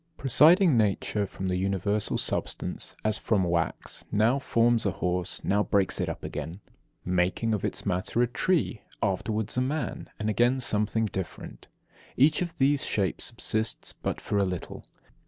23. Presiding nature from the universal substance, as from wax, now forms a horse, now breaks it up again, making of its matter a tree, afterwards a man, and again something different. Each of these shapes subsists but for a little.